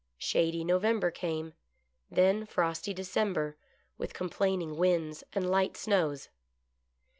Shady November came ; then frosty December, with complaining winds and light snows.